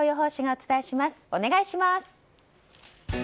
お願いします。